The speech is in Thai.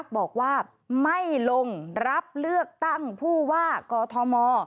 บอกว่าไม่ลงรับเลือกตั้งผู้ว่ากอทม